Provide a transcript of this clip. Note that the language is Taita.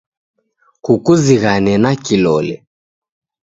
Kukuzighane na kilole.